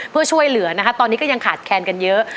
เพื่อช่วยเหลือนะคะตอนนี้ก็ยังขาดแคลนกันเยอะ